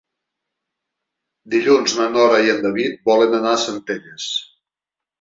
Dilluns na Nora i en David volen anar a Centelles.